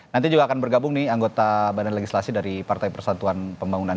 nanti juga akan bergabung nih anggota badan legislasi dari partai persatuan pembangunan